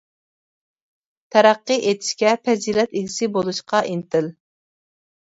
تەرەققىي ئېتىشكە، پەزىلەت ئىگىسى بولۇشقا ئىنتىل.